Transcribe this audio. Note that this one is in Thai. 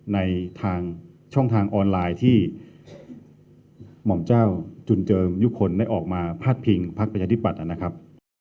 ในทางช่องทางออนไลน์ที่หม่อมเจ้าจุนเจิมยุคลได้ออกมาพาดพิงพักประชาธิปัตย์นะครับ